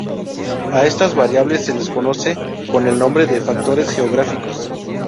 A estas variables se les conoce con el nombre de factores geográficos.